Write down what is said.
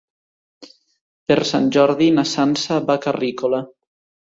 Per Sant Jordi na Sança va a Carrícola.